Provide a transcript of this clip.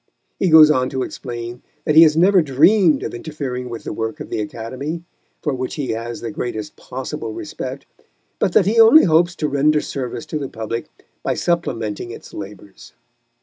He goes on to explain that he has never dreamed of interfering with the work of the Academy, for which he has the greatest possible respect, but that he only hopes to render service to the public by supplementing its labours.